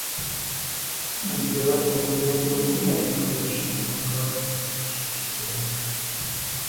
Імператар не зрабіў ніякіх паляпшэнняў у прававым статусе хрысціян.